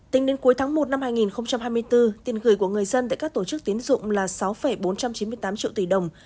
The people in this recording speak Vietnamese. tính đến cuối tháng một năm hai nghìn hai mươi bốn tiền gửi của người dân tại các tổ chức tiến dụng là sáu bốn trăm chín mươi tám triệu tỷ đồng